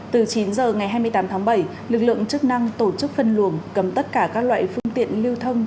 từ chín h ngày hai mươi tám tháng bảy lực lượng chức năng tổ chức phân luồng cấm tất cả các loại phương tiện lưu thông